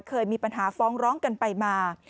เคยมีปัญหาฟ้องร้องกันไปมา